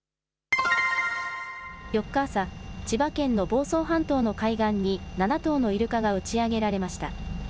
４日朝、千葉県の房総半島の海岸に７頭のイルカが打ち上げられました。